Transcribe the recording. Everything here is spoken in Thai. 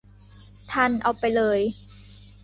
ทัน เอาไปเลย